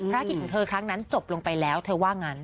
ภารกิจของเธอครั้งนั้นจบลงไปแล้วเธอว่างั้น